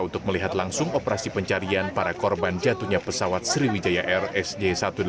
untuk melihat langsung operasi pencarian para korban jatuhnya pesawat sriwijaya air sj satu ratus delapan puluh